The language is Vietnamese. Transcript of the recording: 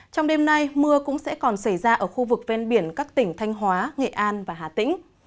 trong đêm nay mưa cũng sẽ còn xảy ra ở khu vực ven biển các tỉnh thanh hóa nghệ an và hà tĩnh